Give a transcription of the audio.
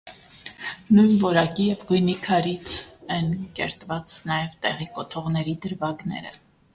Նույն որակի և գույնի քարից են կերտված նաև տեղի կոթողների դրվագները։